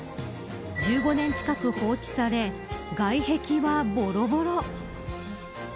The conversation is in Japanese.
１５年近く放置され外壁はボロボロ。